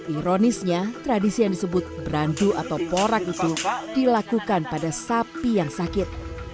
ironisnya tradisi yang disebut berandu atau porak itu dilakukan pada sapi yang sakit